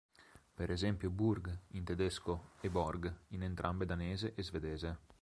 Per esempio "burg" in tedesco, e "borg" in entrambe danese e svedese.